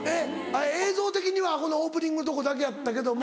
映像的にはオープニングのとこだけやったけども。